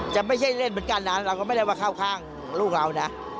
จะไม่ใช่เล่นเหมือนกันนะเราก็ไม่ได้ว่าเข้าข้างลูกเรานะ